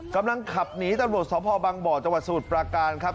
กำลังขับหนีตรวจสอบภาวบางบ่อจังหวัดสถุประการครับ